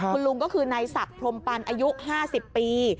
คุณลุงก็คือนายศักดิ์พรมปันอายุ๕๐ปี